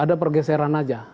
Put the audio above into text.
ada pergeseran saja